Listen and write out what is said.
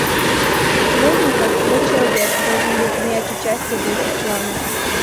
Левин, как свой человек, должен был принимать участие в этих планах.